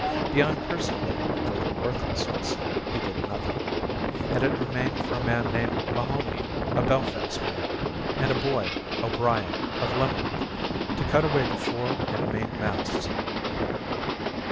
Beyond cursing them for their worthlessness, he did nothing; and it remained for a man named Mahoney, a Belfast man, and a boy, O'Brien, of Limerick, to cut away the fore and main masts.